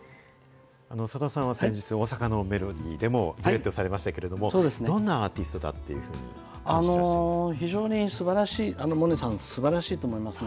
さださんは先日、大阪のメロディーでもデュエットされましたけれども、どんなアーティストだというふうに思ってらっしゃいますか。